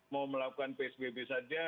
mau melakukan psbb saja